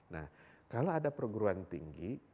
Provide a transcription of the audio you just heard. nah kalau ada perguruan tinggi